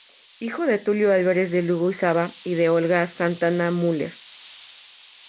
Hijo de Tulio Álvarez de Lugo Isaba y de Olga Santana Müller.